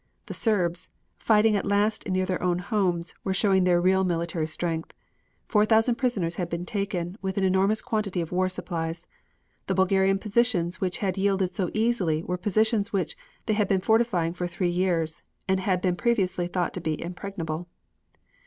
The Serbs, fighting at last near their own homes, were showing their real military strength. Four thousand prisoners had been taken, with an enormous quantity of war supplies. The Bulgarian positions which had yielded so easily were positions which they had been fortifying for three years, and had been previously thought to be impregnable.